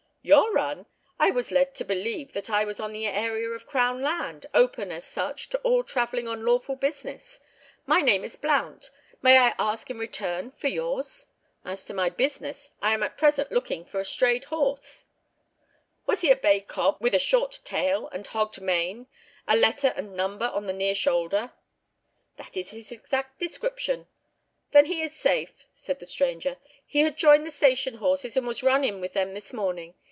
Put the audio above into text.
"Your run! I was led to believe that I was on the area of Crown land, open, as such, to all travelling on lawful business. My name is Blount. May I ask in return for yours? As to my business, I am at present looking for a strayed horse." "Was he a bay cob with a short tail and hogged mane, a letter and number on the near shoulder?" "That is his exact description." "Then he is safe," said the stranger. "He had joined the station horses and was run in with them this morning.